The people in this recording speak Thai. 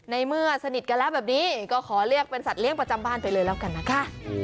ในเมื่อสนิทกันแล้วแบบนี้ก็ขอเรียกเป็นสัตว์ประจำบ้านไปเลยแล้วกันนะคะ